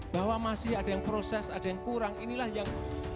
bahwa masih ada yang proses ada yang kurang inilah yang